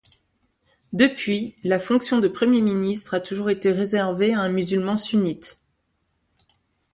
Depuis, la fonction de Premier ministre a toujours été réservée à un musulman sunnite.